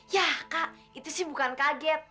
ya kak itu sih bukan kaget